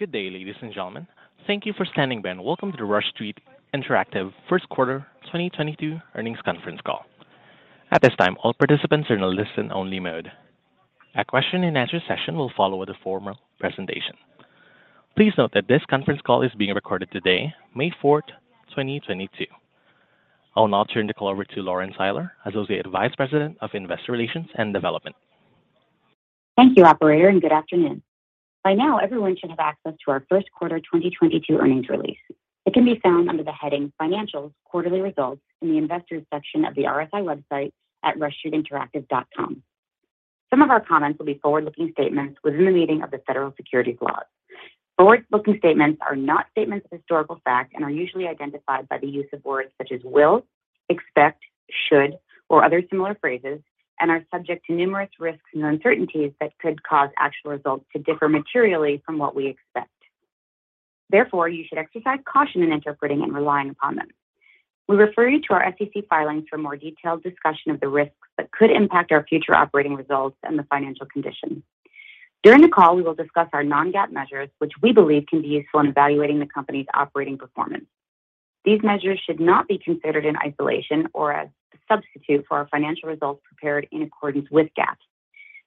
Good day, ladies and gentlemen. Thank you for standing by, and welcome to the Rush Street Interactive First Quarter 2022 Earnings Conference Call. At this time, all participants are in a listen-only mode. A question and answer session will follow the formal presentation. Please note that this conference call is being recorded today, May 4th, 2022. I will now turn the call over to Lauren Seiler, Associate Vice President of Investor Relations and Development. Thank you, operator, and good afternoon. By now, everyone should have access to our first quarter 2022 earnings release. It can be found under the heading Financials Quarterly Results in the Investors section of the RSI website at rushstreetinteractive.com. Some of our comments will be forward-looking statements within the meaning of the federal securities laws. Forward-looking statements are not statements of historical fact and are usually identified by the use of words such as will, expect, should, or other similar phrases, and are subject to numerous risks and uncertainties that could cause actual results to differ materially from what we expect. Therefore, you should exercise caution in interpreting and relying upon them. We refer you to our SEC filings for more detailed discussion of the risks that could impact our future operating results and the financial condition. During the call, we will discuss our non-GAAP measures, which we believe can be useful in evaluating the company's operating performance. These measures should not be considered in isolation or as a substitute for our financial results prepared in accordance with GAAP.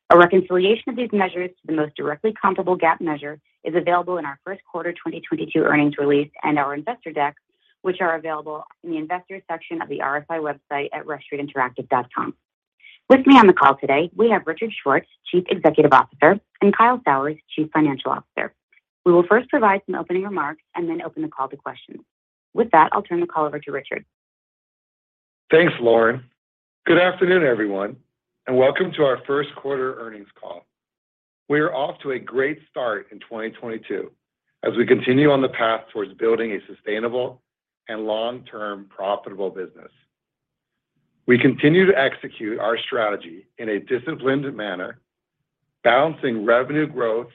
A reconciliation of these measures to the most directly comparable GAAP measure is available in our first quarter 2022 earnings release and our investor deck, which are available in the Investors section of the RSI website at rushstreetinteractive.com. With me on the call today, we have Richard Schwartz, Chief Executive Officer, and Kyle Sauers, Chief Financial Officer. We will first provide some opening remarks and then open the call to questions. With that, I'll turn the call over to Richard. Thanks, Lauren. Good afternoon, everyone, and welcome to our first quarter earnings call. We are off to a great start in 2022 as we continue on the path towards building a sustainable and long-term profitable business. We continue to execute our strategy in a disciplined manner, balancing revenue growth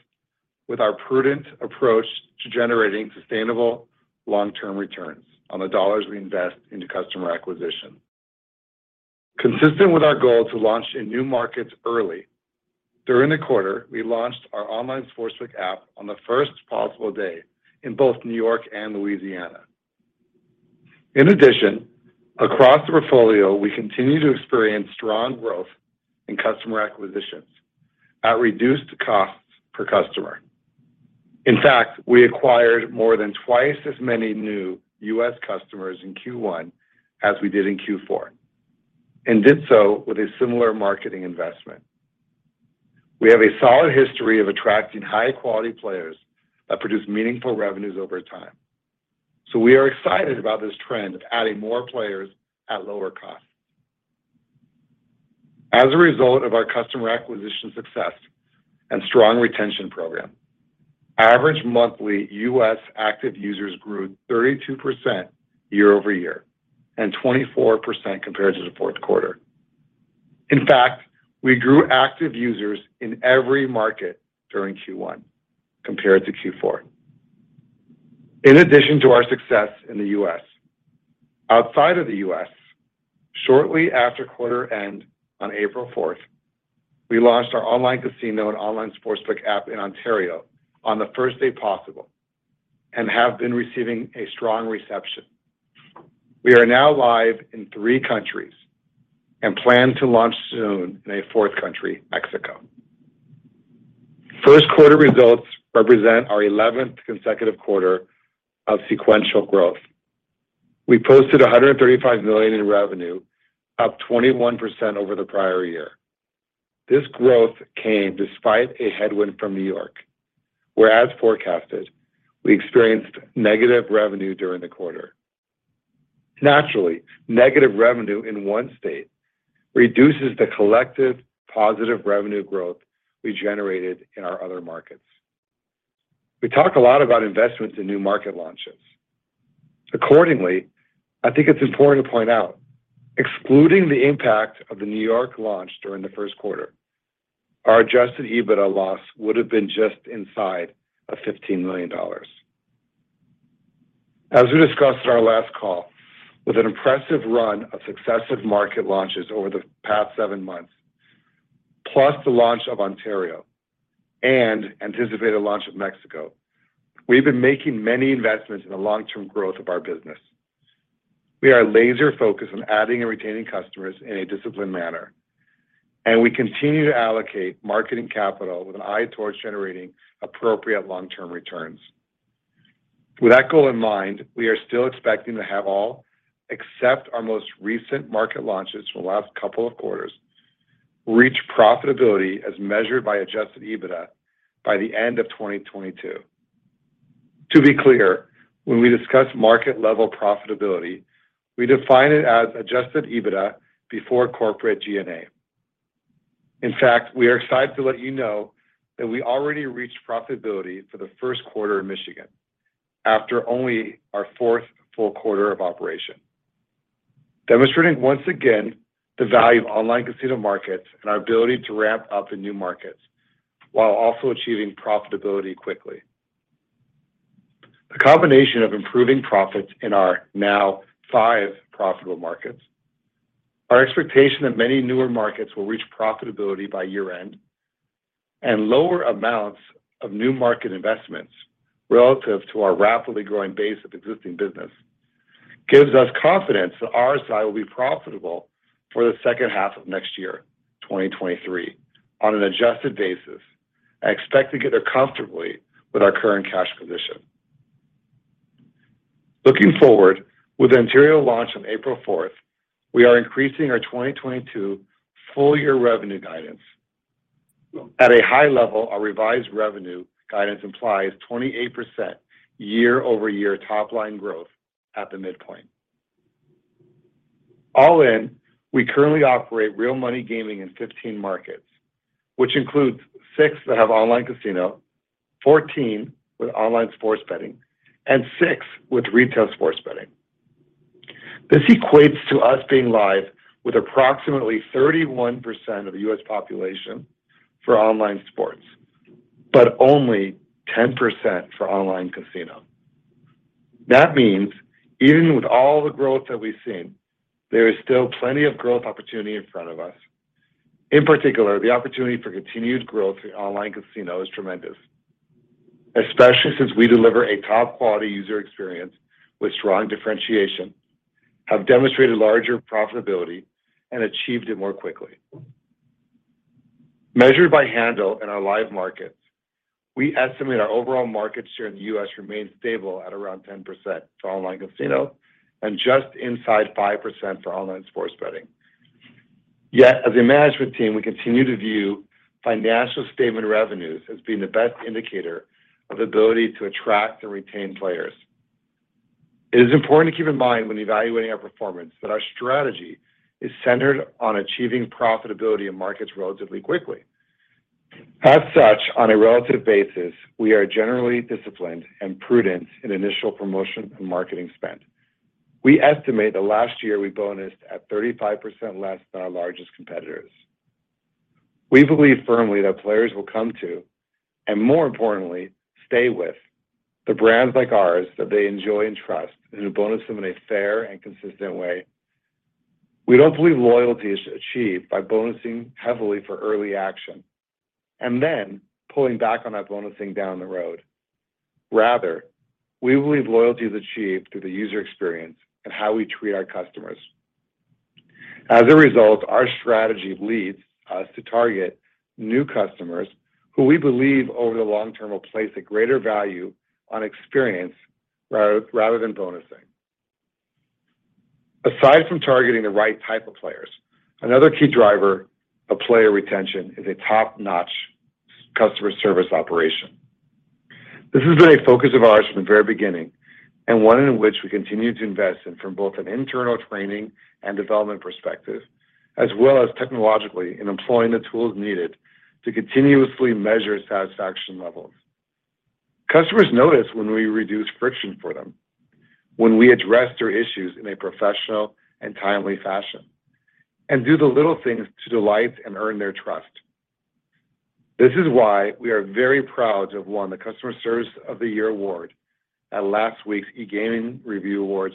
with our prudent approach to generating sustainable long-term returns on the dollars we invest into customer acquisition. Consistent with our goal to launch in new markets early, during the quarter, we launched our online sportsbook app on the first possible day in both New York and Louisiana. In addition, across the portfolio, we continue to experience strong growth in customer acquisitions at reduced costs per customer. In fact, we acquired more than twice as many new U.S. customers in Q1 as we did in Q4, and did so with a similar marketing investment. We have a solid history of attracting high-quality players that produce meaningful revenues over time. We are excited about this trend of adding more players at lower cost. As a result of our customer acquisition success and strong retention program, average monthly U.S. active users grew 32% year-over-year and 24% compared to the fourth quarter. In fact, we grew active users in every market during Q1 compared to Q4. In addition to our success in the U.S., outside of the U.S., shortly after quarter end on April fourth, we launched our online casino and online sportsbook app in Ontario on the first day possible and have been receiving a strong reception. We are now live in three countries and plan to launch soon in a fourth country, Mexico. First quarter results represent our 11th consecutive quarter of sequential growth. We posted $135 million in revenue, up 21% over the prior year. This growth came despite a headwind from New York, where as forecasted, we experienced negative revenue during the quarter. Naturally, negative revenue in one state reduces the collective positive revenue growth we generated in our other markets. We talk a lot about investments in new market launches. Accordingly, I think it's important to point out, excluding the impact of the New York launch during the first quarter, our Adjusted EBITDA loss would have been just inside of $15 million. As we discussed in our last call, with an impressive run of successive market launches over the past seven months, plus the launch of Ontario and anticipated launch of Mexico, we've been making many investments in the long-term growth of our business. We are laser-focused on adding and retaining customers in a disciplined manner, and we continue to allocate marketing capital with an eye towards generating appropriate long-term returns. With that goal in mind, we are still expecting to have all, except our most recent market launches from the last couple of quarters, reach profitability as measured by Adjusted EBITDA by the end of 2022. To be clear, when we discuss market-level profitability, we define it as Adjusted EBITDA before corporate G&A. In fact, we are excited to let you know that we already reached profitability for the first quarter in Michigan after only our fourth full quarter of operation, demonstrating once again the value of online casino markets and our ability to ramp up in new markets while also achieving profitability quickly. A combination of improving profits in our now five profitable markets. Our expectation of many newer markets will reach profitability by year-end and lower amounts of new market investments relative to our rapidly growing base of existing business gives us confidence that RSI will be profitable for the second half of next year, 2023. On an adjusted basis, I expect to get there comfortably with our current cash position. Looking forward with the Ontario launch on April fourth, we are increasing our 2022 full-year revenue guidance. At a high level, our revised revenue guidance implies 28% year-over-year top-line growth at the midpoint. All in, we currently operate real money gaming in 15 markets, which includes six that have online casino, 14 with online sports betting, and six with retail sports betting. This equates to us being live with approximately 31% of the U.S. population for online sports, but only 10% for online casino. That means even with all the growth that we've seen, there is still plenty of growth opportunity in front of us. In particular, the opportunity for continued growth in online casino is tremendous, especially since we deliver a top-quality user experience with strong differentiation, have demonstrated larger profitability, and achieved it more quickly. Measured by handle in our live markets, we estimate our overall market share in the U.S. remains stable at around 10% for online casino and just inside 5% for online sports betting. Yet, as a management team, we continue to view financial statement revenues as being the best indicator of ability to attract and retain players. It is important to keep in mind when evaluating our performance that our strategy is centered on achieving profitability in markets relatively quickly. As such, on a relative basis, we are generally disciplined and prudent in initial promotion and marketing spend. We estimate that last year we bonused at 35% less than our largest competitors. We believe firmly that players will come to, and more importantly, stay with the brands like ours that they enjoy and trust, and who bonus them in a fair and consistent way. We don't believe loyalty is achieved by bonusing heavily for early action and then pulling back on that bonusing down the road. Rather, we believe loyalty is achieved through the user experience and how we treat our customers. As a result, our strategy leads us to target new customers who we believe over the long term will place a greater value on experience rather than bonusing. Aside from targeting the right type of players, another key driver of player retention is a top-notch customer service operation. This has been a focus of ours from the very beginning, and one in which we continue to invest in from both an internal training and development perspective, as well as technologically in employing the tools needed to continuously measure satisfaction levels. Customers notice when we reduce friction for them, when we address their issues in a professional and timely fashion, and do the little things to delight and earn their trust. This is why we are very proud to have won the Customer Service of the Year award at last week's EGR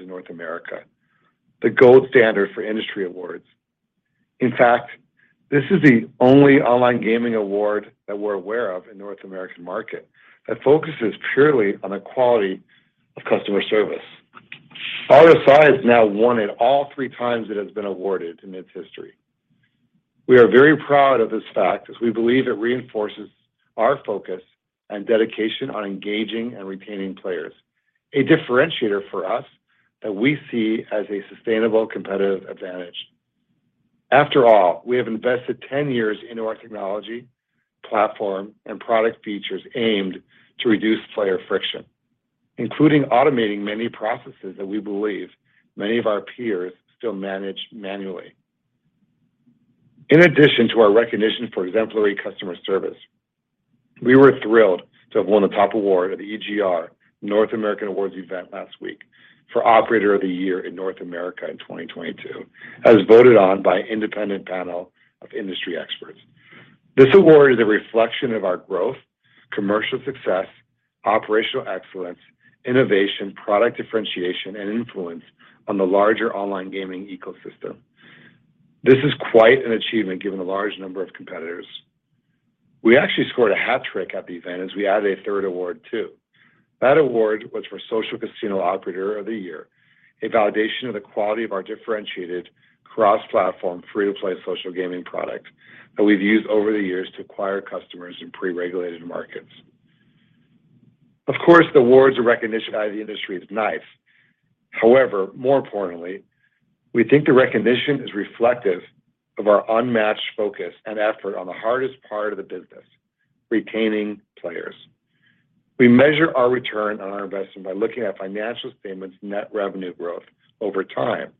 North America Awards, the gold standard for industry awards. In fact, this is the only online gaming award that we're aware of in North American market that focuses purely on the quality of customer service. RSI has now won it all three times it has been awarded in its history. We are very proud of this fact as we believe it reinforces our focus and dedication on engaging and retaining players, a differentiator for us that we see as a sustainable competitive advantage. After all, we have invested 10 years into our technology, platform, and product features aimed to reduce player friction, including automating many processes that we believe many of our peers still manage manually. In addition to our recognition for exemplary customer service, we were thrilled to have won a top award at the EGR North America Awards event last week for Operator of the Year in North America in 2022, as voted on by an independent panel of industry experts. This award is a reflection of our growth, commercial success, operational excellence, innovation, product differentiation, and influence on the larger online gaming ecosystem. This is quite an achievement given the large number of competitors. We actually scored a hat trick at the event as we added a third award, too. That award was for Social Casino Operator of the Year, a validation of the quality of our differentiated cross-platform, free-to-play social gaming product that we've used over the years to acquire customers in pre-regulated markets. Of course, the awards and recognition by the industry is nice. However, more importantly, we think the recognition is reflective of our unmatched focus and effort on the hardest part of the business, retaining players. We measure our return on our investment by looking at financial statements' net revenue growth over time,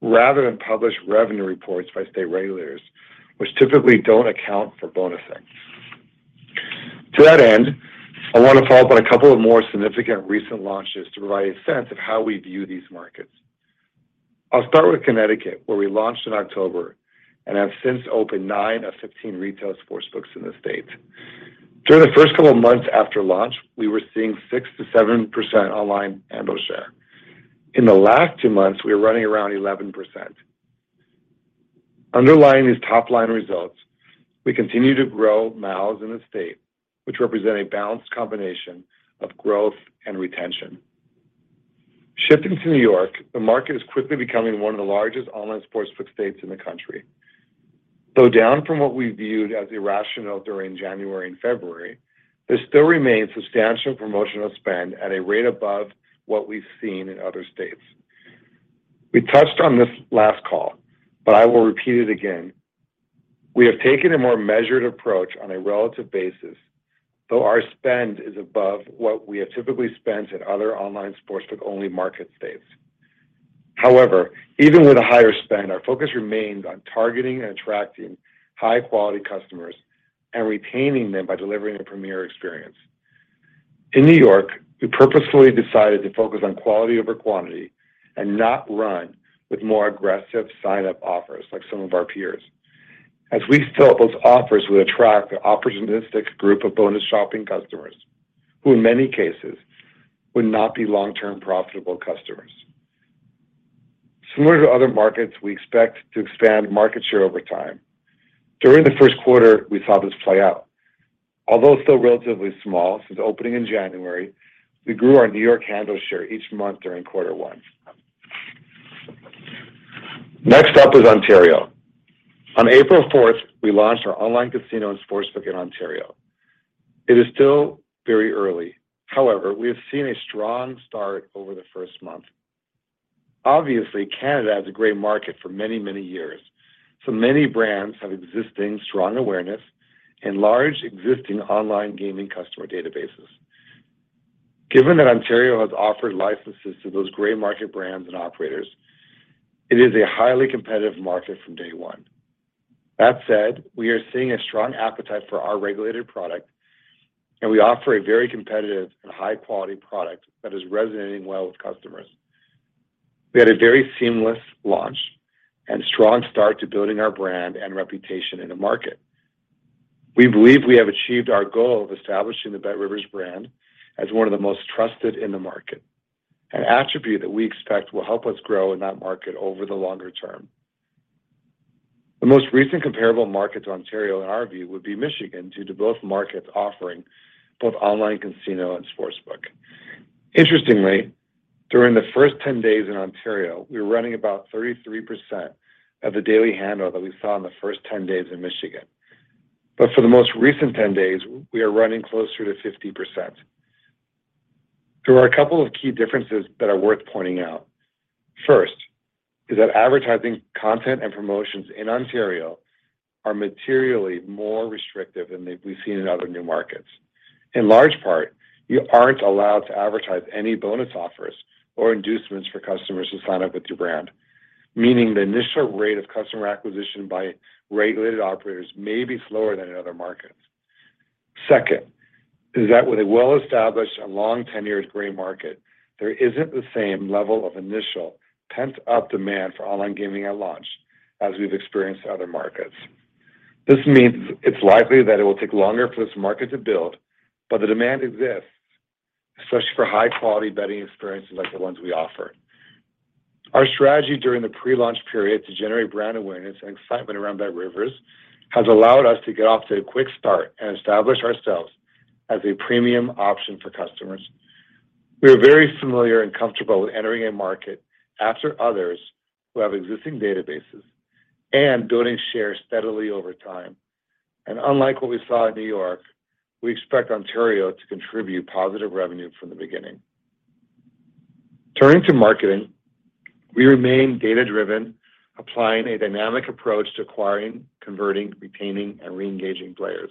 rather than published revenue reports by state regulators, which typically don't account for bonusing. To that end, I want to follow up on a couple of more significant recent launches to provide a sense of how we view these markets. I'll start with Connecticut, where we launched in October and have since opened 9 of 15 retail sportsbooks in the state. During the first couple of months after launch, we were seeing 6%-7% online handle share. In the last two months, we are running around 11%. Underlying these top-line results, we continue to grow MAUs in the state, which represent a balanced combination of growth and retention. Shifting to New York, the market is quickly becoming one of the largest online sportsbook states in the country. Though down from what we viewed as irrational during January and February, there still remains substantial promotional spend at a rate above what we've seen in other states. We touched on this last call, but I will repeat it again. We have taken a more measured approach on a relative basis, though our spend is above what we have typically spent in other online sportsbook-only market states. However, even with a higher spend, our focus remains on targeting and attracting high-quality customers and retaining them by delivering a premier experience. In New York, we purposefully decided to focus on quality over quantity and not run with more aggressive sign-up offers like some of our peers, as we feel those offers would attract an opportunistic group of bonus-shopping customers who in many cases would not be long-term profitable customers. Similar to other markets, we expect to expand market share over time. During the first quarter, we saw this play out. Although still relatively small since opening in January, we grew our New York handle share each month during quarter one. Next up is Ontario. On April 4th, we launched our online casino and sportsbook in Ontario. It is still very early. However, we have seen a strong start over the first month. Obviously, Canada has a gray market for many, many years, so many brands have existing strong awareness and large existing online gaming customer databases. Given that Ontario has offered licenses to those gray market brands and operators, it is a highly competitive market from day one. That said, we are seeing a strong appetite for our regulated product, and we offer a very competitive and high-quality product that is resonating well with customers. We had a very seamless launch and strong start to building our brand and reputation in the market. We believe we have achieved our goal of establishing the BetRivers brand as one of the most trusted in the market, an attribute that we expect will help us grow in that market over the longer term. The most recent comparable market to Ontario, in our view, would be Michigan due to both markets offering both online casino and sportsbook. Interestingly, during the first 10 days in Ontario, we were running about 33% of the daily handle that we saw in the first 10 days in Michigan. For the most recent 10 days, we are running closer to 50%. There are a couple of key differences that are worth pointing out. First is that advertising content and promotions in Ontario are materially more restrictive than we've seen in other new markets. In large part, you aren't allowed to advertise any bonus offers or inducements for customers to sign up with your brand, meaning the initial rate of customer acquisition by regulated operators may be slower than in other markets. Second is that with a well-established and long-tenured gray market, there isn't the same level of initial pent-up demand for online gaming at launch as we've experienced in other markets. This means it's likely that it will take longer for this market to build, but the demand exists, especially for high-quality betting experiences like the ones we offer. Our strategy during the pre-launch period to generate brand awareness and excitement around BetRivers has allowed us to get off to a quick start and establish ourselves as a premium option for customers. We are very familiar and comfortable with entering a market after others who have existing databases and building share steadily over time. Unlike what we saw in New York, we expect Ontario to contribute positive revenue from the beginning. Turning to marketing, we remain data-driven, applying a dynamic approach to acquiring, converting, retaining, and reengaging players.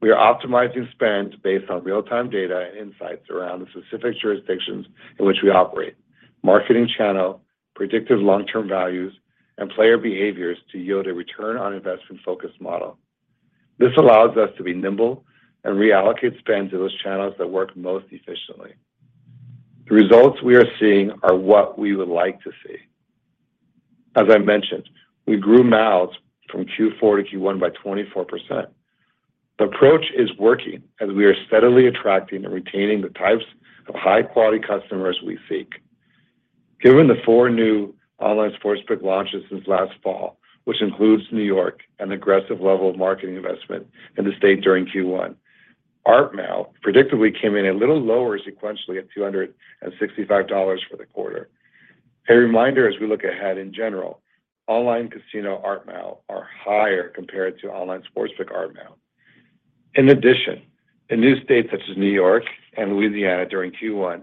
We are optimizing spend based on real-time data and insights around the specific jurisdictions in which we operate, marketing channel, predictive long-term values, and player behaviors to yield a return-on-investment-focused model. This allows us to be nimble and reallocate spend to those channels that work most efficiently. The results we are seeing are what we would like to see. As I mentioned, we grew MAUs from Q4 to Q1 by 24%. The approach is working as we are steadily attracting and retaining the types of high-quality customers we seek. Given the four new online sportsbook launches since last fall, which includes New York and an aggressive level of marketing investment in the state during Q1, ARPMAU predictably came in a little lower sequentially at $265 for the quarter. A reminder as we look ahead in general, online casino ARPMAU are higher compared to online sportsbook ARPMAU. In addition, in new states such as New York and Louisiana during Q1,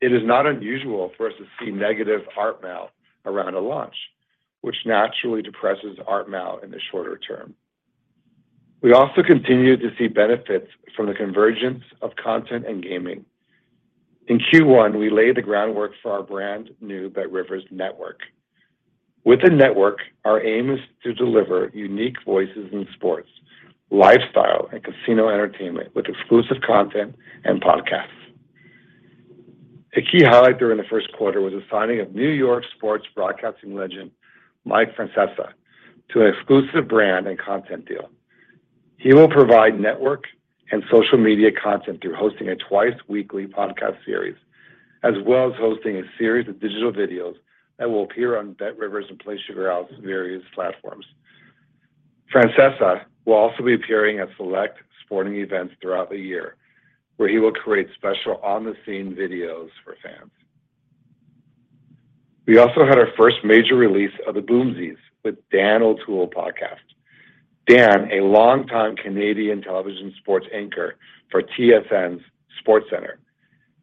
it is not unusual for us to see negative ARPMAU around a launch, which naturally depresses ARPMAU in the shorter term. We also continue to see benefits from the convergence of content and gaming. In Q1, we laid the groundwork for our brand new BetRivers Network. With the network, our aim is to deliver unique voices in sports, lifestyle, and casino entertainment with exclusive content and podcasts. A key highlight during the first quarter was the signing of New York sports broadcasting legend Mike Francesa to an exclusive brand and content deal. He will provide network and social media content through hosting a twice weekly podcast series, as well as hosting a series of digital videos that will appear on BetRivers and PlaySugarHouse's various platforms. Francesa will also be appearing at select sporting events throughout the year, where he will create special on-the-scene videos for fans. We also had our first major release of the Boomsies! with Dan O'Toole podcast. Dan, a longtime Canadian television sports anchor for TSN's SportsCentre,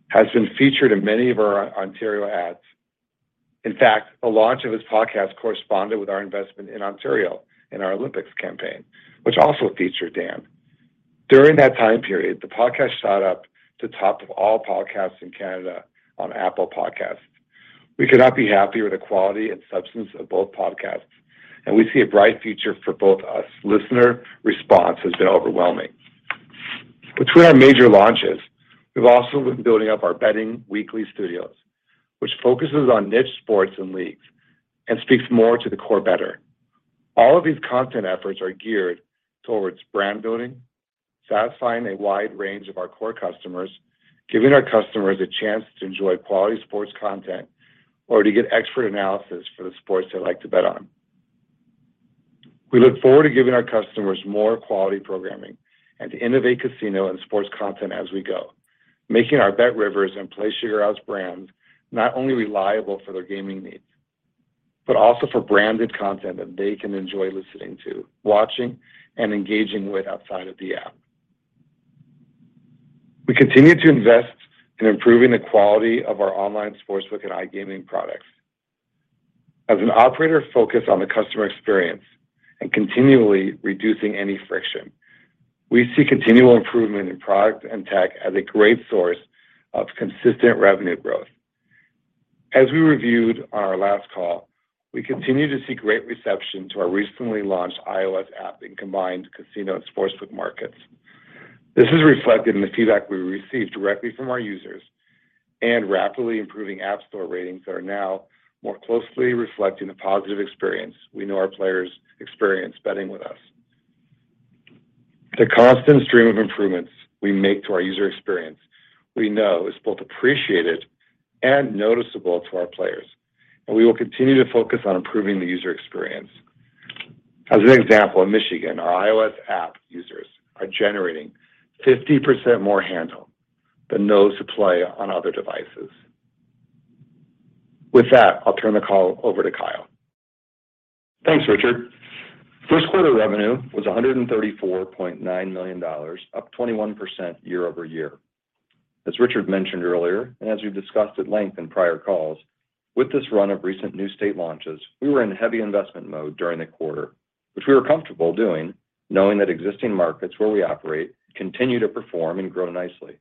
has been featured in many of our Ontario ads. In fact, the launch of his podcast corresponded with our investment in Ontario in our Olympics campaign, which also featured Dan. During that time period, the podcast shot up to top of all podcasts in Canada on Apple Podcasts. We could not be happier with the quality and substance of both podcasts, and we see a bright future for both us. Listener response has been overwhelming. Between our major launches, we've also been building up our betting weekly studios, which focuses on niche sports and leagues and speaks more to the core bettor. All of these content efforts are geared towards brand building, satisfying a wide range of our core customers, giving our customers a chance to enjoy quality sports content or to get expert analysis for the sports they like to bet on. We look forward to giving our customers more quality programming and to innovate casino and sports content as we go, making our BetRivers and PlaySugarHouse brands not only reliable for their gaming needs, but also for branded content that they can enjoy listening to, watching, and engaging with outside of the app. We continue to invest in improving the quality of our online sportsbook and iGaming products. As an operator focused on the customer experience and continually reducing any friction, we see continual improvement in product and tech as a great source of consistent revenue growth. As we reviewed on our last call, we continue to see great reception to our recently launched iOS app in combined casino and sportsbook markets. This is reflected in the feedback we received directly from our users and rapidly improving App Store ratings that are now more closely reflecting the positive experience we know our players experience betting with us. The constant stream of improvements we make to our user experience, we know is both appreciated and noticeable to our players, and we will continue to focus on improving the user experience. As an example, in Michigan, our iOS app users are generating 50% more handle than those who play on other devices. With that, I'll turn the call over to Kyle. Thanks, Richard. First quarter revenue was $134.9 million, up 21% year-over-year. As Richard mentioned earlier, and as we've discussed at length in prior calls, with this run of recent new state launches, we were in heavy investment mode during the quarter, which we were comfortable doing, knowing that existing markets where we operate continue to perform and grow nicely.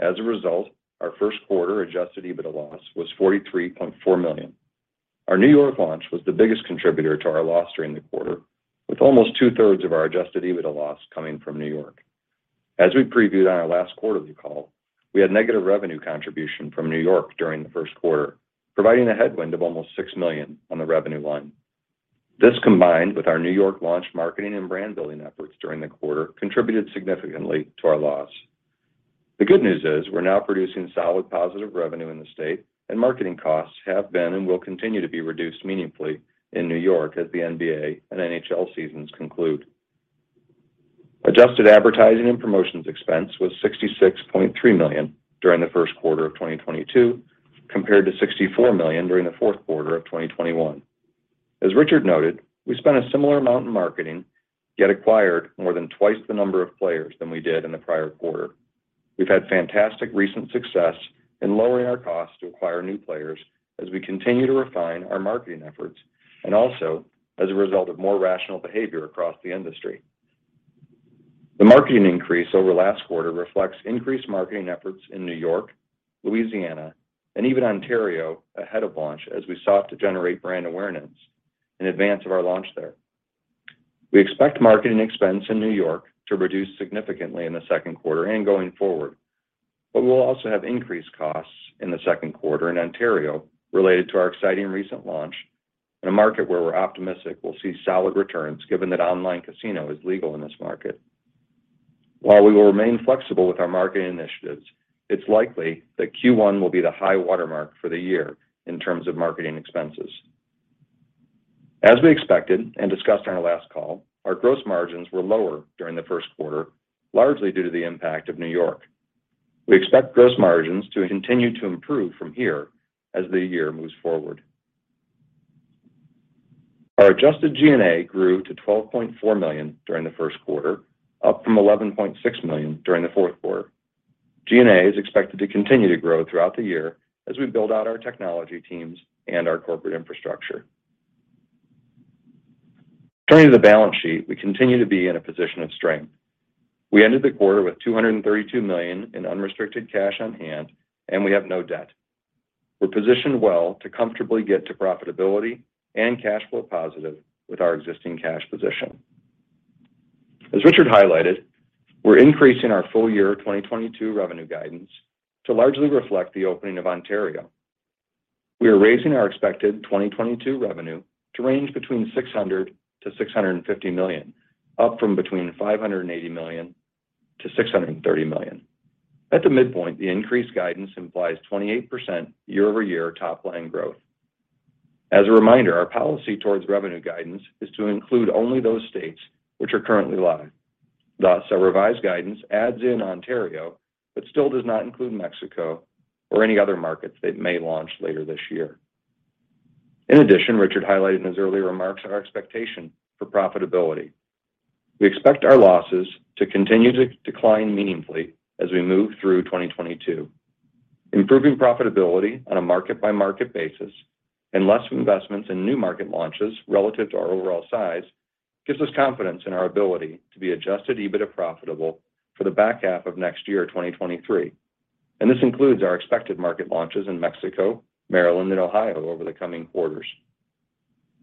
As a result, our first quarter Adjusted EBITDA loss was $43.4 million. Our New York launch was the biggest contributor to our loss during the quarter, with almost two-thirds of our Adjusted EBITDA loss coming from New York. As we previewed on our last quarterly call, we had negative revenue contribution from New York during the first quarter, providing a headwind of almost $6 million on the revenue line. This, combined with our New York launch marketing and brand building efforts during the quarter, contributed significantly to our loss. The good news is we're now producing solid positive revenue in the state, and marketing costs have been and will continue to be reduced meaningfully in New York as the NBA and NHL seasons conclude. Adjusted advertising and promotions expense was $66.3 million during the first quarter of 2022, compared to $64 million during the fourth quarter of 2021. As Richard noted, we spent a similar amount in marketing, yet acquired more than twice the number of players than we did in the prior quarter. We've had fantastic recent success in lowering our cost to acquire new players as we continue to refine our marketing efforts and also as a result of more rational behavior across the industry. The marketing increase over last quarter reflects increased marketing efforts in New York, Louisiana, and even Ontario ahead of launch as we sought to generate brand awareness in advance of our launch there. We expect marketing expense in New York to reduce significantly in the second quarter and going forward, but we'll also have increased costs in the second quarter in Ontario related to our exciting recent launch in a market where we're optimistic we'll see solid returns given that online casino is legal in this market. While we will remain flexible with our marketing initiatives, it's likely that Q1 will be the high-water mark for the year in terms of marketing expenses. As we expected and discussed on our last call, our gross margins were lower during the first quarter, largely due to the impact of New York. We expect gross margins to continue to improve from here as the year moves forward. Our adjusted G&A grew to $12.4 million during the first quarter, up from $11.6 million during the fourth quarter. G&A is expected to continue to grow throughout the year as we build out our technology teams and our corporate infrastructure. Turning to the balance sheet, we continue to be in a position of strength. We ended the quarter with $232 million in unrestricted cash on hand, and we have no debt. We're positioned well to comfortably get to profitability and cash flow positive with our existing cash position. As Richard highlighted, we're increasing our full year 2022 revenue guidance to largely reflect the opening of Ontario. We are raising our expected 2022 revenue to range between $600 million-$650 million, up from between $580 million-$630 million. At the midpoint, the increased guidance implies 28% year-over-year top line growth. As a reminder, our policy towards revenue guidance is to include only those states which are currently live. Thus, our revised guidance adds in Ontario, but still does not include Mexico or any other markets that may launch later this year. In addition, Richard highlighted in his earlier remarks our expectation for profitability. We expect our losses to continue to decline meaningfully as we move through 2022. Improving profitability on a market-by-market basis and less investments in new market launches relative to our overall size gives us confidence in our ability to be Adjusted EBITDA profitable for the back half of next year, 2023. This includes our expected market launches in Mexico, Maryland and Ohio over the coming quarters.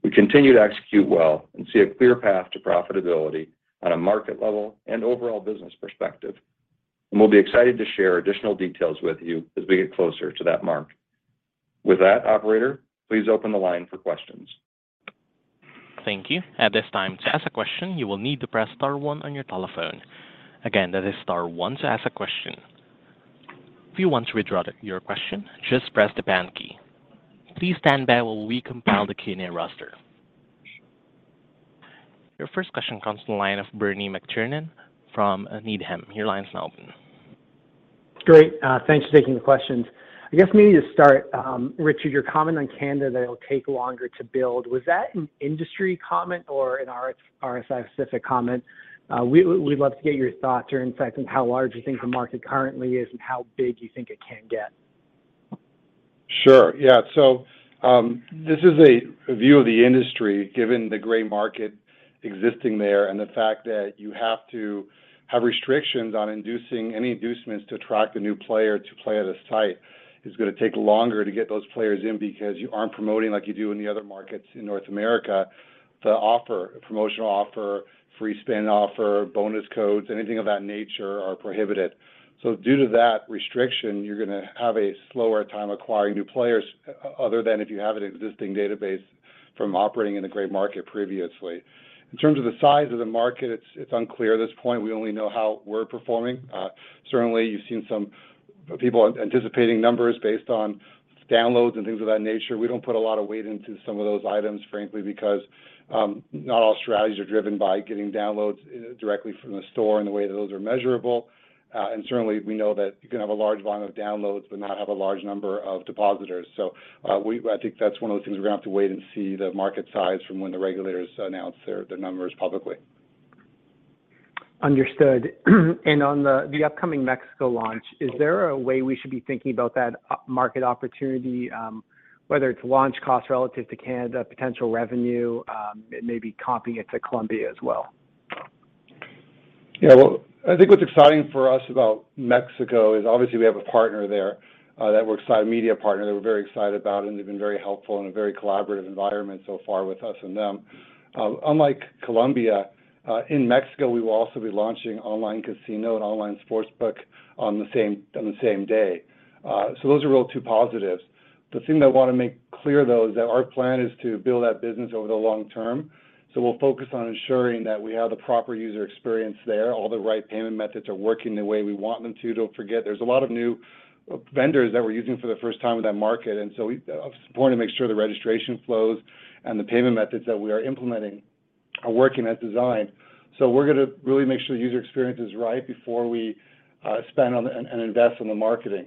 We continue to execute well and see a clear path to profitability on a market level and overall business perspective, and we'll be excited to share additional details with you as we get closer to that mark. With that, operator, please open the line for questions. Thank you. At this time, to ask a question, you will need to press star one on your telephone. Again, that is star one to ask a question. If you want to withdraw your question, just press the pound key. Please stand by while we compile the Q&A roster. Your first question comes from the line of Bernie McTernan from Needham & Company. Your line is now open. Great. Thanks for taking the questions. I guess maybe to start, Richard, your comment on Canada that it'll take longer to build, was that an industry comment or an RSI specific comment? We'd love to get your thoughts or insights on how large you think the market currently is and how big you think it can get. Sure, yeah. This is a view of the industry, given the gray market existing there, and the fact that you have to have restrictions on inducing any inducements to attract a new player to play at a site is gonna take longer to get those players in because you aren't promoting like you do in the other markets in North America to offer a promotional offer, free spin offer, bonus codes, anything of that nature are prohibited. Due to that restriction, you're gonna have a slower time acquiring new players other than if you have an existing database from operating in a gray market previously. In terms of the size of the market, it's unclear at this point. We only know how we're performing. Certainly you've seen some people anticipating numbers based on downloads and things of that nature. We don't put a lot of weight into some of those items, frankly, because not all strategies are driven by getting downloads directly from the store and the way that those are measurable. Certainly we know that you can have a large volume of downloads but not have a large number of depositors. I think that's one of those things we're gonna have to wait and see the market size from when the regulators announce their, the numbers publicly. Understood. On the upcoming Mexico launch, is there a way we should be thinking about that market opportunity, whether it's launch costs relative to Canada, potential revenue, maybe copying it to Colombia as well? Yeah. Well, I think what's exciting for us about Mexico is obviously we have a partner there, a media partner that we're very excited about, and they've been very helpful in a very collaborative environment so far with us and them. Unlike Colombia, in Mexico, we will also be launching online casino and online sportsbook on the same day. Those are all two positives. The thing that I want to make clear, though, is that our plan is to build that business over the long term. We'll focus on ensuring that we have the proper user experience there, all the right payment methods are working the way we want them to. Don't forget, there's a lot of new vendors that we're using for the first time in that market, and so it's important to make sure the registration flows and the payment methods that we are implementing are working as designed. We're gonna really make sure the user experience is right before we spend on and invest in the marketing.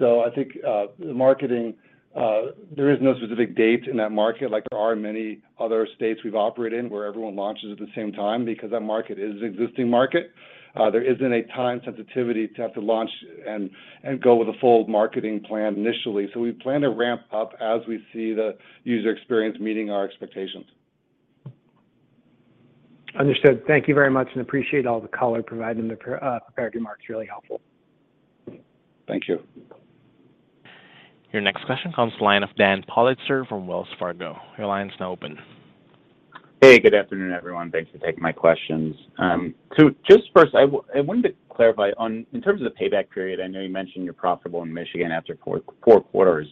I think, the marketing, there is no specific date in that market like there are in many other states we've operated in where everyone launches at the same time because that market is an existing market. There isn't a time sensitivity to have to launch and go with a full marketing plan initially. We plan to ramp up as we see the user experience meeting our expectations. Understood. Thank you very much and appreciate all the color provided in the prepared remarks. Really helpful. Thank you. Your next question comes from the line of Daniel Politzer from Wells Fargo. Your line is now open. Hey, good afternoon, everyone. Thanks for taking my questions. Just first, I wanted to clarify on in terms of the payback period, I know you mentioned you're profitable in Michigan after four quarters.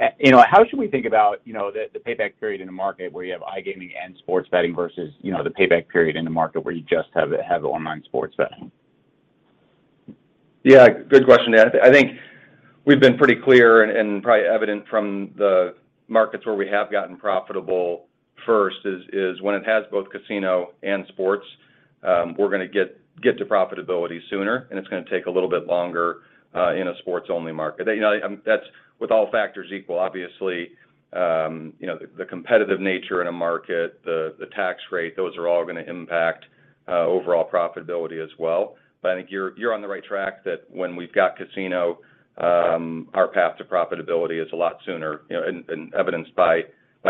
How should we think about the payback period in a market where you have iGaming and sports betting versus the payback period in a market where you just have online sports betting? Yeah, good question. I think we've been pretty clear and probably evident from the markets where we have gotten profitable first is when it has both casino and sports, we're gonna get to profitability sooner, and it's gonna take a little bit longer in a sports-only market. That's with all factors equal, obviously. The competitive nature in a market, the tax rate, those are all gonna impact overall profitability as well. I think you're on the right track that when we've got casino, our path to profitability is a lot sooner, and evidenced by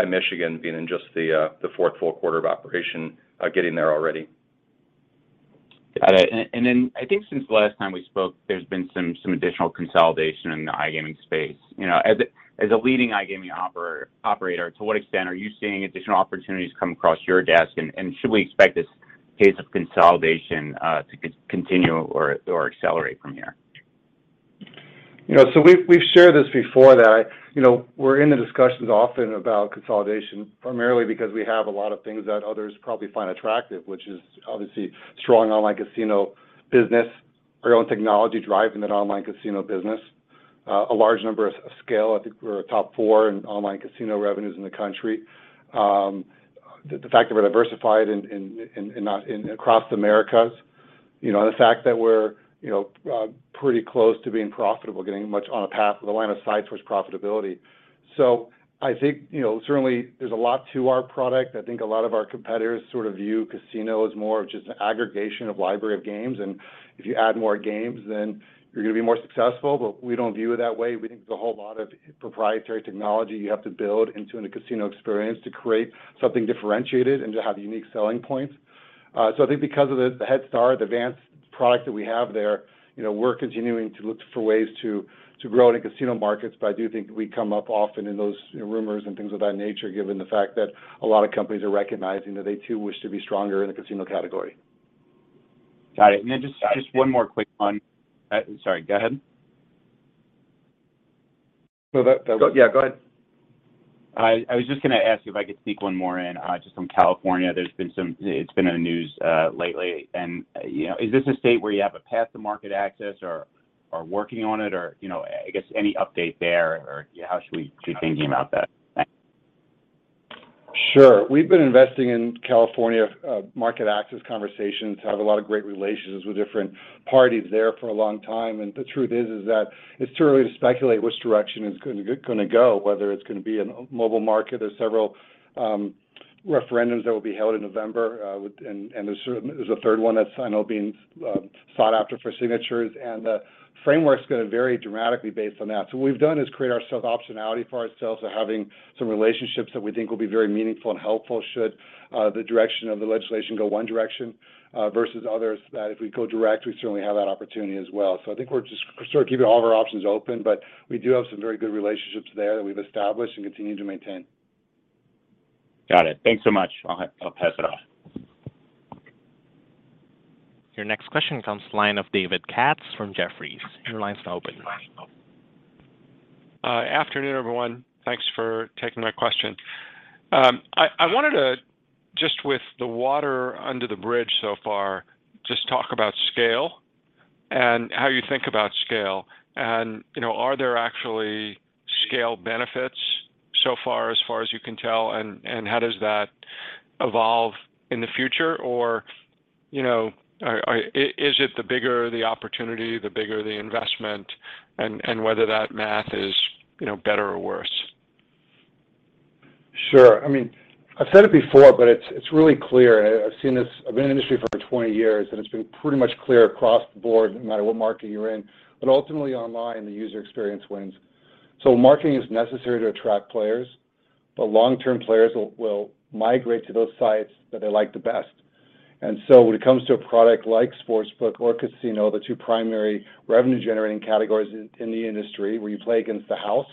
Michigan being in just the fourth full quarter of operation, getting there already. Got it. I think since the last time we spoke, there's been some additional consolidation in the iGaming space. As a leading iGaming operator, to what extent are you seeing additional opportunities come across your desk? Should we expect this pace of consolidation to continue or accelerate from here? We've shared this before. You know, we're in the discussions often about consolidation, primarily because we have a lot of things that others probably find attractive, which is obviously strong online casino business, our own technology driving that online casino business, a large degree of scale. I think we're a top four in online casino revenues in the country. The fact that we're diversified across the Americas, and the fact that we're, you know, pretty close to being profitable, getting much closer on a path with a line of sight towards profitability. I think, certainly there's a lot to our product. I think a lot of our competitors sort of view casino as more of just an aggregation of library of games, and if you add more games, then you're gonna be more successful. We don't view it that way. We think there's a whole lot of proprietary technology you have to build into a casino experience to create something differentiated and to have unique selling points. I think because of the head start, the advanced product that we have there, we're continuing to look for ways to grow into casino markets. I do think we come up often in those rumors and things of that nature, given the fact that a lot of companies are recognizing that they too wish to be stronger in the casino category. Got it. Just one more quick one. Sorry, go ahead. Yeah, go ahead. I was just gonna ask you if I could sneak one more in, just on California. It's been in the news, lately. You know, is this a state where you have a path to market access or working on it or, I guess any update there or how should we be thinking about that? Thanks. Sure. We've been investing in California market access conversations, have a lot of great relationships with different parties there for a long time. The truth is that it's too early to speculate which direction it's gonna go, whether it's gonna be a mobile market. There's several referendums that will be held in November, and there's a third one that's I know being sought after for signatures, and the framework's gonna vary dramatically based on that. What we've done is create ourself optionality for ourselves. Having some relationships that we think will be very meaningful and helpful should the direction of the legislation go one direction versus others, that if we go direct, we certainly have that opportunity as well. I think we're just sort of keeping all of our options open, but we do have some very good relationships there that we've established and continue to maintain. Got it. Thanks so much. I'll pass it off. Your next question comes from the line of David Katz from Jefferies. Your line's now open. Afternoon, everyone. Thanks for taking my question. I wanted to just with the water under the bridge so far, just talk about scale and how you think about scale. You know, are there actually scale benefits so far, as far as you can tell? How does that evolve in the future? Or, is it the bigger the opportunity, the bigger the investment, and whether that math is better or worse? Sure. I mean, I've said it before, but it's really clear. I've seen this. I've been in the industry for 20 years, and it's been pretty much clear across the board, no matter what market you're in, that ultimately online, the user experience wins. Marketing is necessary to attract players, but long-term players will migrate to those sites that they like the best. When it comes to a product like Sportsbook or Casino, the two primary revenue-generating categories in the industry where you play against the house,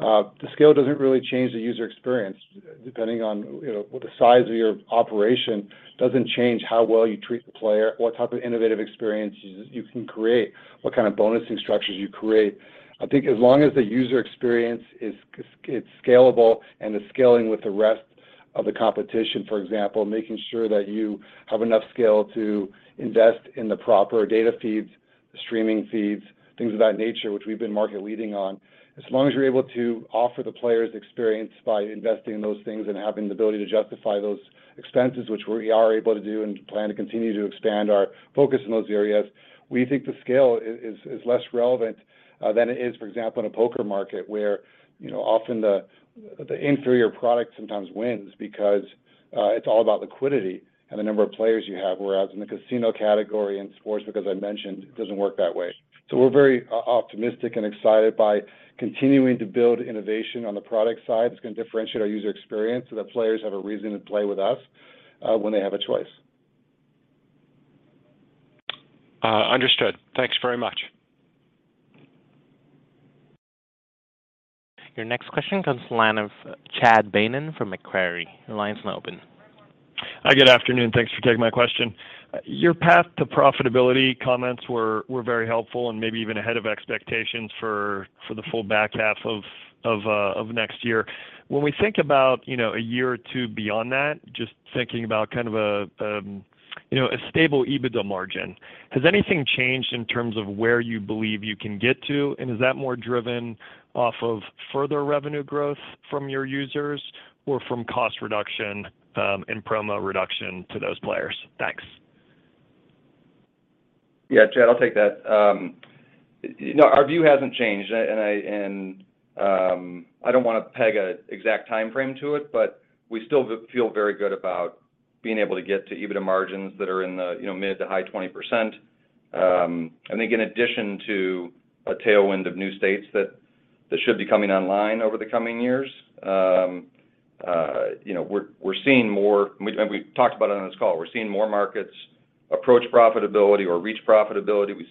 the scale doesn't really change the user experience. Depending on the size of your operation doesn't change how well you treat the player, what type of innovative experiences you can create, what kind of bonusing structures you create. I think as long as the user experience is scalable and is scaling with the rest of the competition, for example, making sure that you have enough scale to invest in the proper data feeds, the streaming feeds, things of that nature, which we've been market leading on. As long as you're able to offer the players experience by investing in those things and having the ability to justify those expenses, which we are able to do and plan to continue to expand our focus in those areas, we think the scale is less relevant than it is, for example, in a poker market where, often the inferior product sometimes wins because it's all about liquidity and the number of players you have. Whereas in the casino category and sportsbook, as I mentioned, it doesn't work that way. We're very optimistic and excited by continuing to build innovation on the product side that's gonna differentiate our user experience so that players have a reason to play with us, when they have a choice. Understood. Thanks very much. Your next question comes to the line of Chad Beynon from Macquarie. Your line's now open. Hi, good afternoon. Thanks for taking my question. Your path to profitability comments were very helpful and maybe even ahead of expectations for the full back half of next year. When we think about a year or two beyond that, just thinking about kind of a stable EBITDA margin, has anything changed in terms of where you believe you can get to? Is that more driven off of further revenue growth from your users or from cost reduction and promo reduction to those players? Thanks. Yeah, Chad, I'll take that. You know, our view hasn't changed. I don't wanna peg a exact timeframe to it, but we still feel very good about being able to get to EBITDA margins that are in the mid- to high-20%. I think in addition to a tailwind of new states that should be coming online over the coming years, we're seeing more markets approach profitability or reach profitability. We talked about it on this call. We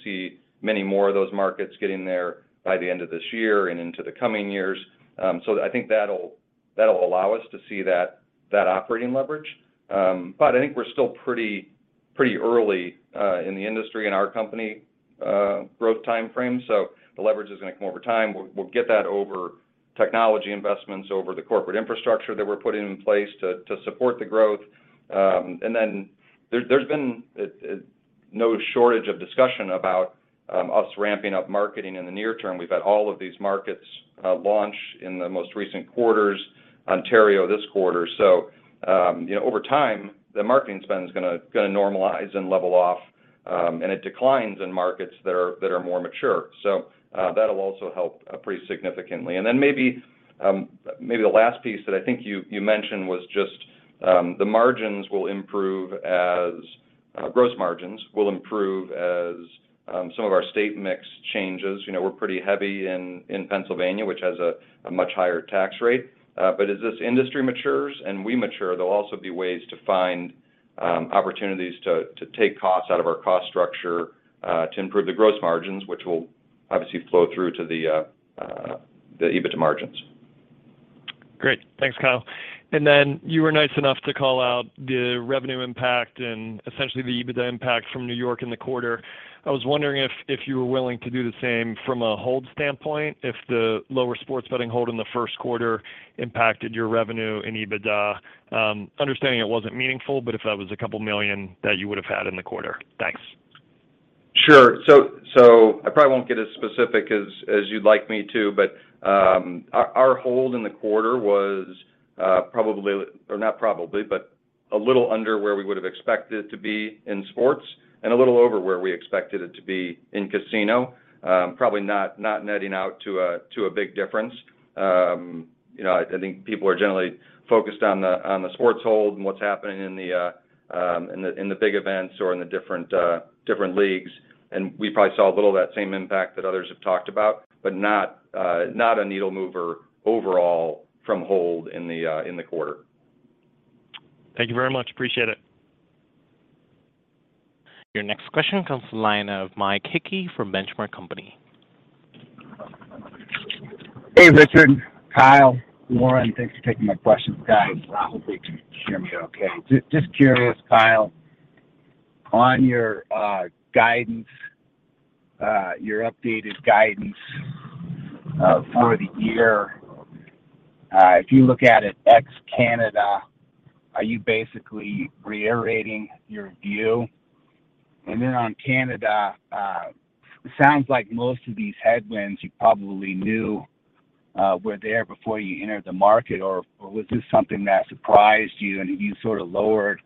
see many more of those markets getting there by the end of this year and into the coming years. So I think that'll allow us to see that operating leverage. But I think we're still pretty early in the industry and our company growth timeframe. The leverage is gonna come over time. We'll get that over technology investments, over the corporate infrastructure that we're putting in place to support the growth. There's been no shortage of discussion about us ramping up marketing in the near term. We've had all of these markets launch in the most recent quarters, Ontario this quarter. You know, over time, the marketing spend is gonna normalize and level off, and it declines in markets that are more mature. That'll also help pretty significantly. Maybe the last piece that I think you mentioned was just the gross margins will improve as some of our state mix changes. You know, we're pretty heavy in Pennsylvania, which has a much higher tax rate. As this industry matures and we mature, there'll also be ways to find opportunities to take costs out of our cost structure, to improve the gross margins, which will obviously flow through to the EBITDA margins. Great. Thanks, Kyle. You were nice enough to call out the revenue impact and essentially the EBITDA impact from New York in the quarter. I was wondering if you were willing to do the same from a hold standpoint, if the lower sports betting hold in the first quarter impacted your revenue and EBITDA, understanding it wasn't meaningful, but if that was $2 million that you would have had in the quarter. Thanks. Sure. I probably won't get as specific as you'd like me to, but our hold in the quarter was a little under where we would have expected it to be in sports and a little over where we expected it to be in casino. Probably not netting out to a big difference. I think people are generally focused on the sports hold and what's happening in the big events or in the different leagues. We probably saw a little of that same impact that others have talked about, but not a needle mover overall from hold in the quarter. Thank you very much. Appreciate it. Your next question comes from the line of Mike Hickey from The Benchmark Company. Hey, Richard, Kyle, Lauren, thanks for taking my questions. Guys, hopefully you can hear me okay. Just curious, Kyle, on your guidance, your updated guidance, for the year, if you look at it ex Canada, are you basically reiterating your view? Then on Canada, it sounds like most of these headwinds you probably knew were there before you entered the market or was this something that surprised you sort of lowered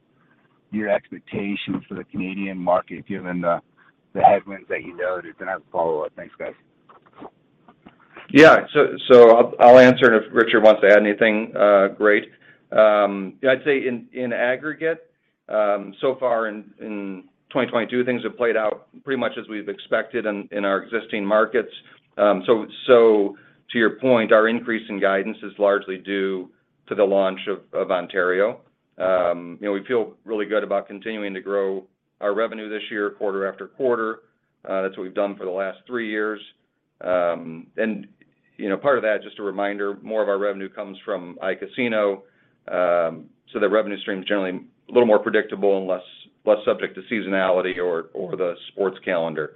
your expectations for the Canadian market given the headwinds that you noted? I have a follow-up. Thanks, guys. Yeah. I'll answer and if Richard wants to add anything, great. I'd say in aggregate, so far in 2022, things have played out pretty much as we've expected in our existing markets. To your point, our increase in guidance is largely due to the launch of Ontario. You know, we feel really good about continuing to grow our revenue this year quarter after quarter. That's what we've done for the last three years. Part of that, just a reminder, more of our revenue comes from iCasino, so that revenue stream is generally a little more predictable and less subject to seasonality or the sports calendar.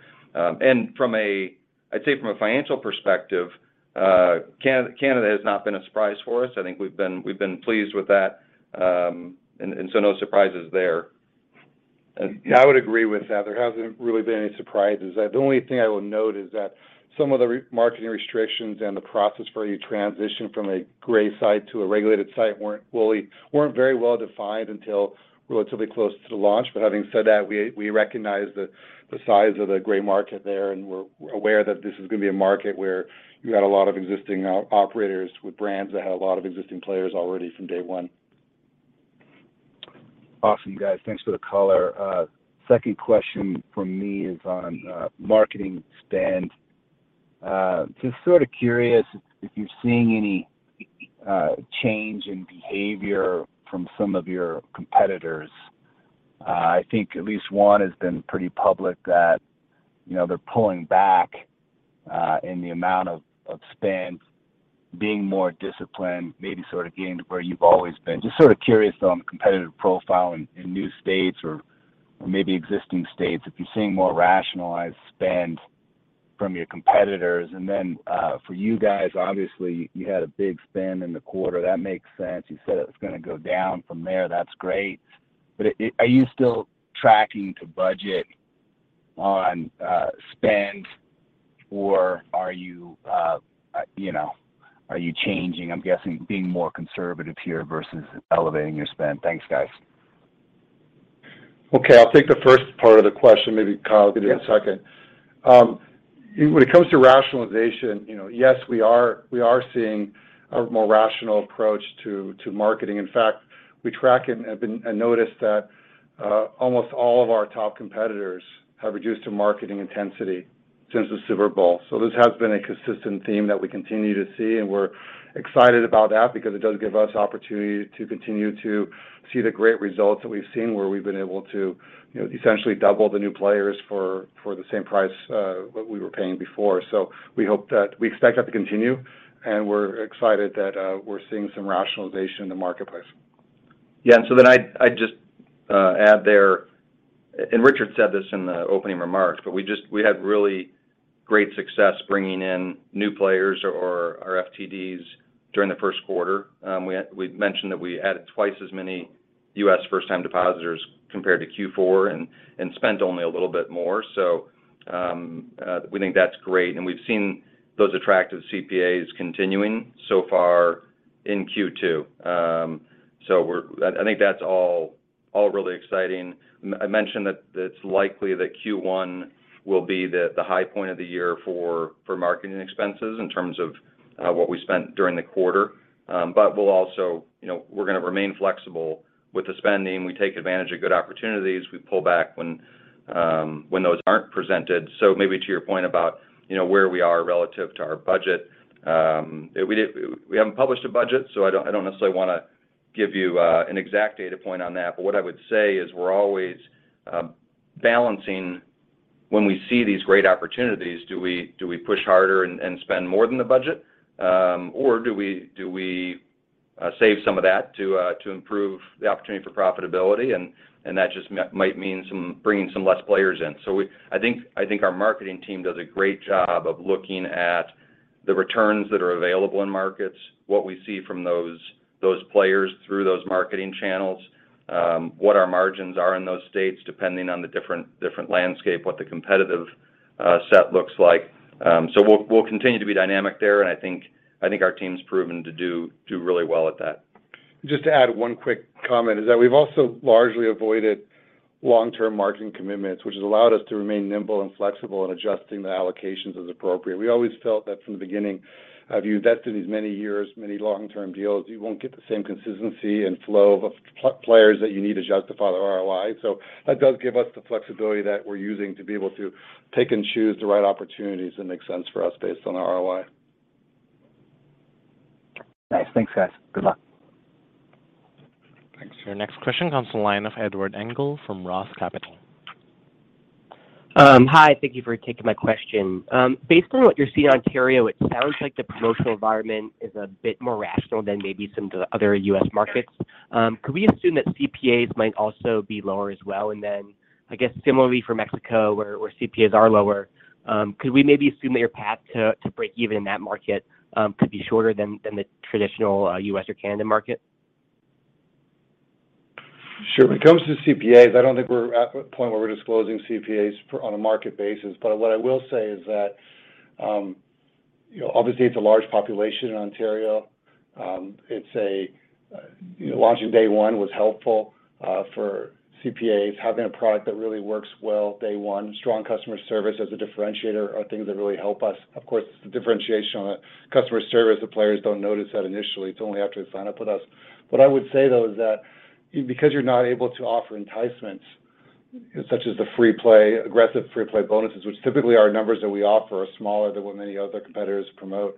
I'd say from a financial perspective, Canada has not been a surprise for us. I think we've been pleased with that, and so no surprises there. Yeah, I would agree with that. There hasn't really been any surprises. The only thing I would note is that some of the marketing restrictions and the process for you to transition from a gray site to a regulated site weren't very well defined until relatively close to the launch. Having said that, we recognize the size of the gray market there, and we're aware that this is gonna be a market where you got a lot of existing operators with brands that had a lot of existing players already from day one. Awesome, guys. Thanks for the color. Second question from me is on marketing spend. Just sort of curious if you're seeing any change in behavior from some of your competitors. I think at least one has been pretty public that they're pulling back in the amount of spend, being more disciplined, maybe sort of getting to where you've always been. Just sort of curious on the competitive profile in new states or maybe existing states, if you're seeing more rationalized spend from your competitors. For you guys, obviously, you had a big spend in the quarter. That makes sense. You said it was gonna go down from there. That's great. Are you still tracking to budget on spend? Or are you changing, I'm guessing, being more conservative here versus elevating your spend? Thanks, guys. Okay. I'll take the first part of the question, maybe Kyle can do the second. When it comes to rationalization, yes, we are seeing a more rational approach to marketing. In fact, we track and notice that almost all of our top competitors have reduced their marketing intensity since the Super Bowl. This has been a consistent theme that we continue to see, and we're excited about that because it does give us opportunity to continue to see the great results that we've seen where we've been able to, essentially double the new players for the same price what we were paying before. We expect that to continue, and we're excited that we're seeing some rationalization in the marketplace. I'd just add there, Richard said this in the opening remarks, but we had really great success bringing in new players or FTDs during the first quarter. We'd mentioned that we added twice as many U.S. first-time depositors compared to Q4 and spent only a little bit more. We think that's great. We've seen those attractive CPAs continuing so far in Q2. I think that's all really exciting. I mentioned that it's likely that Q1 will be the high point of the year for marketing expenses in terms of what we spent during the quarter. We'll also remain flexible with the spending. We take advantage of good opportunities. We pull back when those aren't presented. Maybe to your point about where we are relative to our budget, we haven't published a budget, so I don't necessarily wanna give you an exact data point on that. What I would say is we're always balancing when we see these great opportunities, do we push harder and spend more than the budget, or do we save some of that to improve the opportunity for profitability? That just might mean bringing some less players in. I think our marketing team does a great job of looking at the returns that are available in markets, what we see from those players through those marketing channels, what our margins are in those states, depending on the different landscape, what the competitive set looks like. We'll continue to be dynamic there, and I think our team's proven to do really well at that. Just to add one quick comment is that we've also largely avoided long-term marketing commitments, which has allowed us to remain nimble and flexible in adjusting the allocations as appropriate. We always felt that from the beginning of RSI, that through these many years, many long-term deals, you won't get the same consistency and flow of players that you need to justify the ROI. That does give us the flexibility that we're using to be able to take and choose the right opportunities that make sense for us based on ROI. Nice. Thanks, guys. Good luck. Thanks. Your next question comes from the line of Edward Engel from Roth Capital Partners. Hi, thank you for taking my question. Based on what you're seeing in Ontario, it sounds like the promotional environment is a bit more rational than maybe some of the other U.S. markets. Could we assume that CPAs might also be lower as well? I guess similarly for Mexico where CPAs are lower, could we maybe assume that your path to break even in that market could be shorter than the traditional U.S. or Canadian market? Sure. When it comes to CPAs, I don't think we're at a point where we're disclosing CPAs on a market basis. What I will say is that, obviously it's a large population in Ontario. Launching day one was helpful for CPAs. Having a product that really works well day one, strong customer service as a differentiator are things that really help us. Of course, the differentiation on the customer service, the players don't notice that initially. It's only after they sign up with us. What I would say, though, is that because you're not able to offer enticements such as the free play, aggressive free play bonuses, which typically our numbers that we offer are smaller than what many other competitors promote,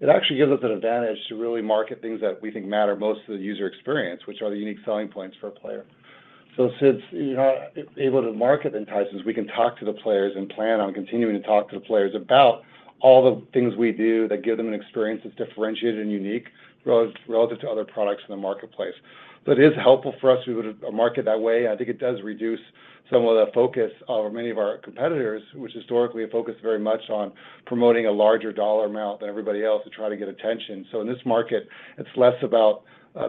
it actually gives us an advantage to really market things that we think matter most to the user experience, which are the unique selling points for a player. Since you're not able to market enticements, we can talk to the players and plan on continuing to talk to the players about all the things we do that give them an experience that's differentiated and unique relative to other products in the marketplace. It is helpful for us. We would market that way. I think it does reduce some of the focus of many of our competitors, which historically have focused very much on promoting a larger dollar amount than everybody else to try to get attention. In this market, it's less about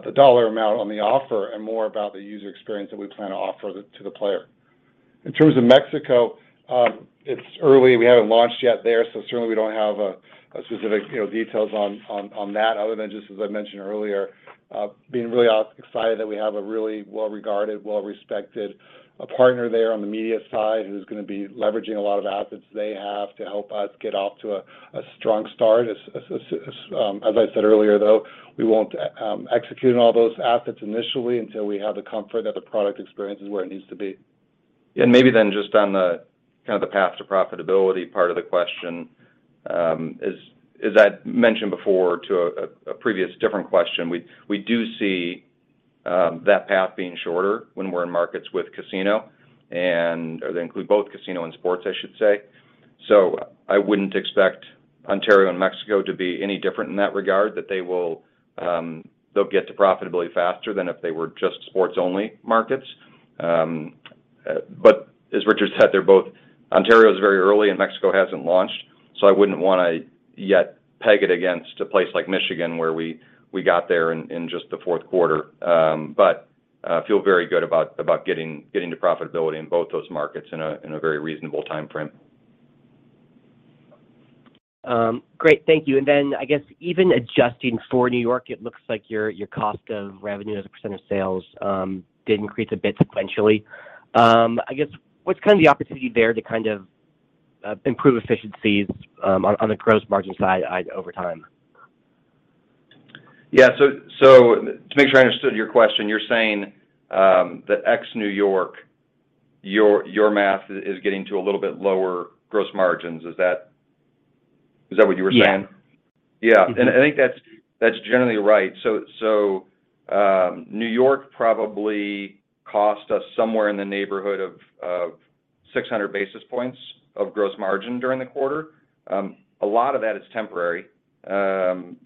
the dollar amount on the offer and more about the user experience that we plan to offer to the player. In terms of Mexico, it's early. We haven't launched yet there, so certainly we don't have a specific, you know, details on that other than just as I mentioned earlier, being really excited that we have a really well-regarded, well-respected partner there on the media side who's gonna be leveraging a lot of assets they have to help us get off to a strong start. As I said earlier, though, we won't execute on all those assets initially until we have the comfort that the product experience is where it needs to be. Yeah. Maybe then just on the kind of the path to profitability part of the question, as I'd mentioned before to a previous different question, we do see that path being shorter when we're in markets with casino or they include both casino and sports, I should say. I wouldn't expect Ontario and Mexico to be any different in that regard, that they will, they'll get to profitability faster than if they were just sports-only markets. But as Richard said, they're both. Ontario is very early and Mexico hasn't launched, so I wouldn't wanna yet peg it against a place like Michigan where we got there in just the fourth quarter. But I feel very good about getting to profitability in both those markets in a very reasonable timeframe. Great. Thank you. Then I guess even adjusting for New York, it looks like your cost of revenue as a percentage of sales did increase a bit sequentially. I guess what's kind of the opportunity there to kind of improve efficiencies on the gross margin side over time? Yeah. To make sure I understood your question, you're saying that ex New York, your math is getting to a little bit lower gross margins. Is that what you were saying? Yeah. Yeah. I think that's generally right. New York probably cost us somewhere in the neighborhood of 600 basis points of gross margin during the quarter. A lot of that is temporary. When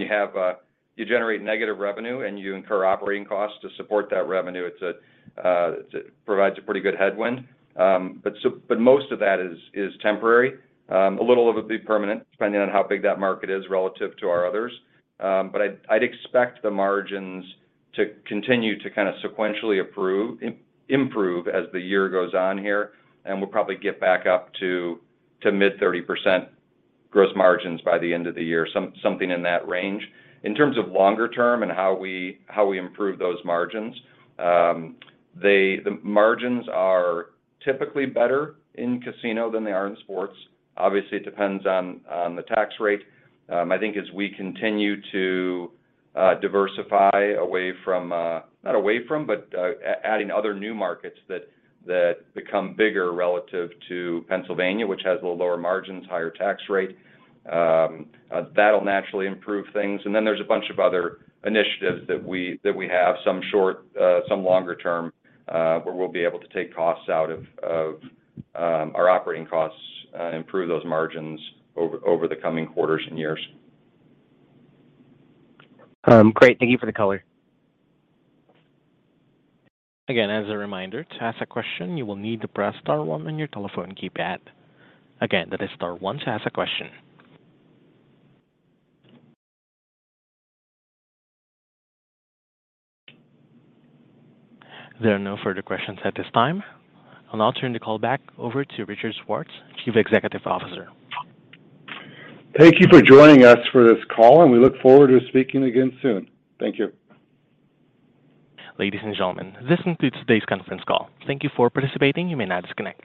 you have you generate negative revenue and you incur operating costs to support that revenue, it provides a pretty good headwind. Most of that is temporary. A little of it'll be permanent depending on how big that market is relative to our others. I expect the margins to continue to kind of sequentially improve as the year goes on here, and we'll probably get back up to mid-30% gross margins by the end of the year, something in that range. In terms of longer term and how we improve those margins, the margins are typically better in casino than they are in sports. Obviously, it depends on the tax rate. I think as we continue to diversify, not away from, but adding other new markets that become bigger relative to Pennsylvania, which has a little lower margins, higher tax rate, that'll naturally improve things. There's a bunch of other initiatives that we have, some short, some longer term, where we'll be able to take costs out of our operating costs, improve those margins over the coming quarters and years. Great. Thank you for the color. Again, as a reminder, to ask a question, you will need to press star one on your telephone keypad. Again, that is star one to ask a question. There are no further questions at this time. I'll now turn the call back over to Richard Schwartz, Chief Executive Officer. Thank you for joining us for this call, and we look forward to speaking again soon. Thank you. Ladies and gentlemen, this concludes today's conference call. Thank you for participating. You may now disconnect.